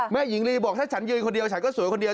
หญิงลีบอกถ้าฉันยืนคนเดียวฉันก็สวยคนเดียว